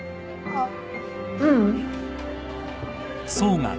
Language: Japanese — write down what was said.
あっううん。